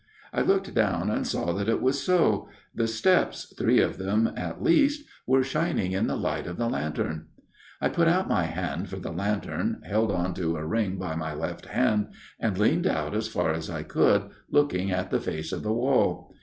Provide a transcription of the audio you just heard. " I looked down and saw that it was so ; the steps, three of them at least, were shining in the light of the lantern. " I put out my hand for the lantern, held on to a ring by my left hand, and leaned out as far as I could, looking at the face of the wall.